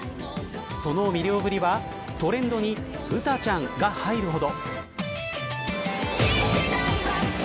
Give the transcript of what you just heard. その魅了ぶりはトレンドにウタちゃんが入るほど。